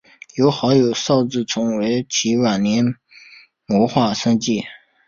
由好友邵志纯为其晚年摹划生计。